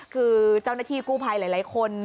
คือเจ้าหน้าที่กู้ภัยหลายคน